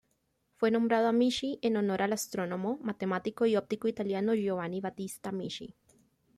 Fue nombrado Amici en honor al astrónomo, matemático y óptico italiano Giovanni Battista Amici.